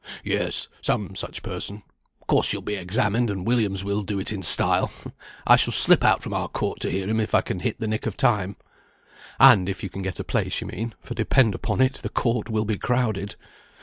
"Yes, some such person. Of course she'll be examined, and Williams will do it in style. I shall slip out from our court to hear him if I can hit the nick of time." "And if you can get a place, you mean, for depend upon it the court will be crowded."